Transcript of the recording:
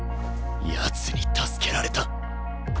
やつに助けられた。